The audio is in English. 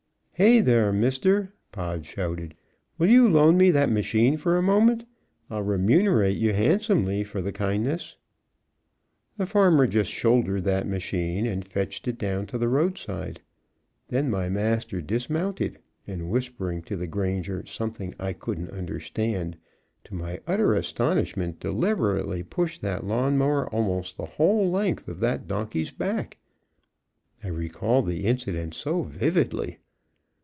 "Hay, there, Mister!" Pod shouted; "will you loan me that machine a moment? I'll remunerate you handsomely for the kindness." The farmer just shouldered that machine and fetched it down to the roadside. Then my master dismounted, and whispering to the granger something I couldn't understand, to my utter astonishment deliberately pushed that lawn mower almost the whole length of that donkey's back. I recall the incident so vividly.